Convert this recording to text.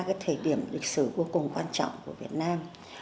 ở ba thời điểm lịch sử vô cùng quan trọng của việt nam